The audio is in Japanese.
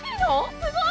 すごい！